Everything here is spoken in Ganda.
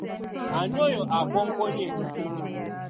Ani oyo akonkonye?